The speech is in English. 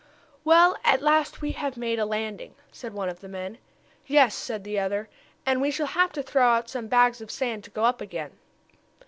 "Well, at last we have made a landing," said one of the men. "Yes," said the other. "And we shall have to throw out some bags of sand to go up again."